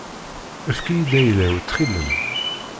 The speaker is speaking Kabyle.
Efk-iyi-d ayla-w ttxil-m.